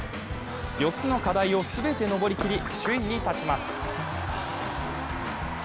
４つの課題を全て登り切り、首位に立ちます。